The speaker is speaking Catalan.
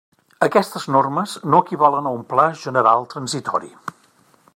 Aquestes normes no equivalen a un pla general transitori.